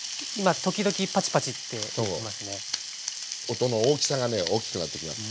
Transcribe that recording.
音の大きさがね大きくなってきます。